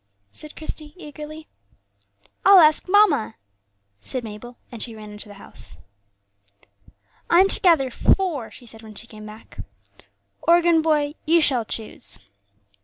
said Christie, eagerly. "I'll ask mamma," said Mabel, and she ran into the house. "I'm to gather four," she said, when she came back; "organ boy, you shall choose."